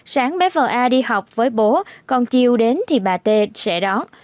sáng bé vợ a đi học với bố còn chiều đến thì bà t sẽ đón